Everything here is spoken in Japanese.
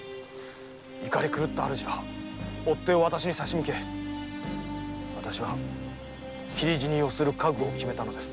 怒った主は追っ手を差し向けわたしは斬り死にをする覚悟を決めたのです。